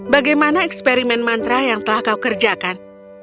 bagaimana eksperimen mantra yang telah kau kerjakan